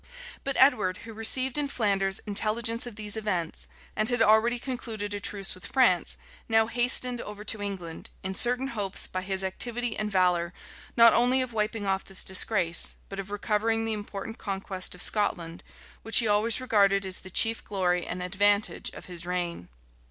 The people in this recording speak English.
But Edward, who received in Flanders intelligence of these events, and had already concluded a truce with France, now hastened over to England, in certain hopes, by his activity and valor, not only of wiping off this disgrace, but of recovering the important conquest of Scotland, which he always regarded as the chief glory and advantage of his reign.